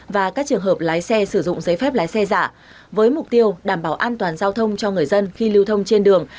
và các trường hợp lái xe sử dụng giấy phép lái xe giả với mục tiêu đảm bảo an toàn giao thông cho người dân khi lưu thông trên đường